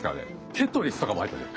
「テトリス」とかも入ってるでしょ。